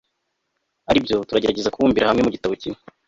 ari byo tuzagerageza kubumbira hamwe mu gitabo kimwe